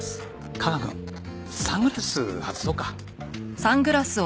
架川くんサングラス外そうか。